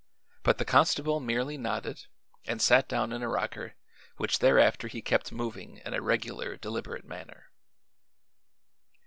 But the constable merely nodded and sat down in a rocker, which thereafter he kept moving in a regular, deliberate manner.